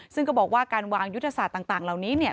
ซึ่งก็บอกว่าการวางยุทธศาสตร์ต่างเหล่านี้เนี่ย